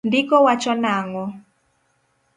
Ndiko wacho nang'o?